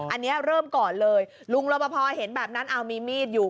อันนี้เริ่มก่อนเลยลุงรบพอเห็นแบบนั้นเอามีมีดอยู่